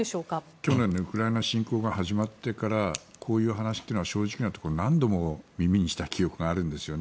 去年のウクライナ侵攻が始まってからこういう話は正直なところ何度も耳にした気がするんですよね。